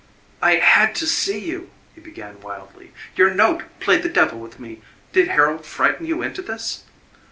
"I had to see you," he began wildly; "your note played the devil with me. Did Harold frighten you into this?"